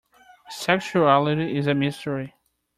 Sexuality is a mystery.